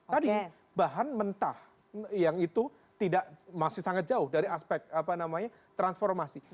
tadi bahan mentah yang itu tidak masih sangat jauh dari aspek transformasi